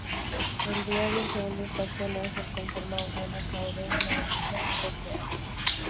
El día del Segundo Impacto, un ángel con forma humana, Kaworu Nagisa, fue creado.